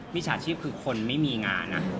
วิชาชีพคือคนไม่มีงานน่ะ